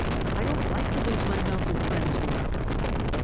I don't like to lose my mountain friends, you know."